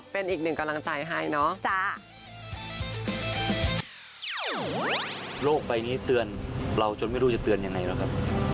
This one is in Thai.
เพื่อทำภารกิจให้สำเร็จนะคะ